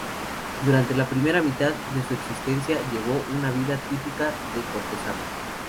Durante la primera mitad de su existencia, llevó una vida típica de cortesano.